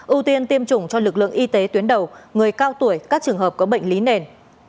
ưu tiên tiêm chủng cho lực lượng y tế tuyến đầu người cao tuổi các trường hợp có bệnh lý nền